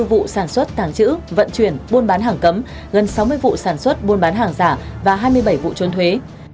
bảy trăm linh bốn vụ sản xuất tàng trữ vận chuyển buôn bán hàng cấm gần sáu mươi vụ sản xuất buôn bán hàng giả và hai mươi bảy vụ trốn thuế